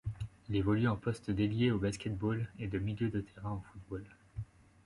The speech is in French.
Il évolue au poste d'ailier au basket-ball, et de milieu de terrain au football.